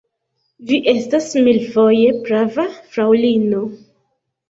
Vi estas milfoje prava, fraŭlino.